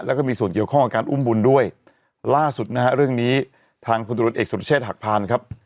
แล้วก็มีส่วนเกี่ยวข้องกับการอุ้มบุญด้วยล่าสุดนะฮะเรื่องนี้ทางพลตรวจเอกสุรเชษฐหักพานครับ